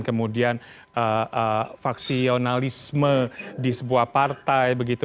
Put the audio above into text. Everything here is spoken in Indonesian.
kemudian vaksionalisme di sebuah partai